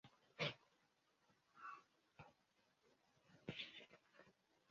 Bòt àvā nà àdiò bə vaŋhaŋ.